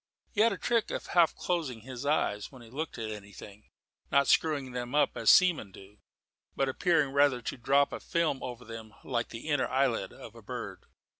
He had a trick of half closing his eyes when he looked at anything, not screwing them up as seamen do, but appearing rather to drop a film over them like the inner eyelid of a bird.